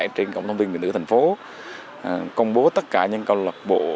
trên cổng thông tin bình thường thành phố công bố tất cả những câu lạc bộ